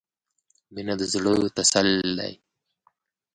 • مینه د زړۀ تسل دی.